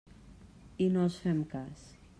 I no els fem cas.